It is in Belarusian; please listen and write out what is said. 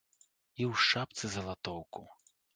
І у шапцы залатоўку.